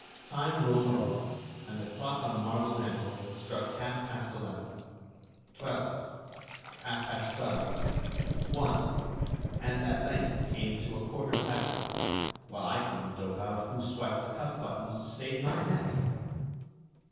Time rolled on, and the clock on the marble mantel struck half past eleven, twelve, half past twelve, one, and at length came to a quarter past one, while I couldn't dope out who swiped the cuff buttons to save my neck!